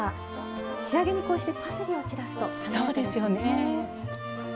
仕上げにこうしてパセリを散らすと華やかですよね。